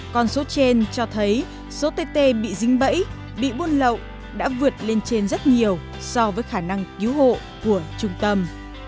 còn số trên cho thấy số tê tê bị dính bẫy bị buôn lậu đã vượt lên trên rất nhiều so với khả năng cứu hộ của trung tâm